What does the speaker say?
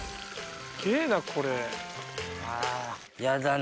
すげぇなこれ。